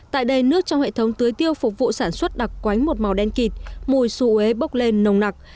tại đây nước trong hệ thống tưới tiêu phục vụ sản xuất đặc quánh một màu đen kịt mùi suế bốc lên nồng nặc